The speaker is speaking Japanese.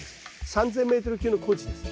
３０００メートル級の高地です。